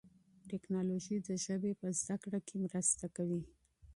تکنالوژي د ژبي په زده کړه کي مرسته کوي.